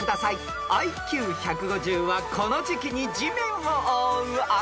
［ＩＱ１５０はこの時季に地面を覆うあの花です］